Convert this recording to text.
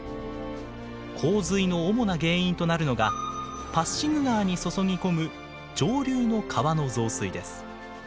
洪水の主な原因となるのがパッシグ川に注ぎ込む上流の川の増水です。